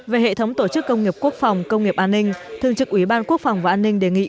về hệ thống tổ chức công nghiệp quốc phòng công nghiệp an ninh thường trực ủy ban quốc phòng và an ninh đề nghị